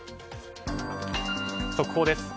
速報です。